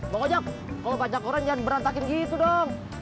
bang ojak kalo baca koran jangan berantakin gitu dong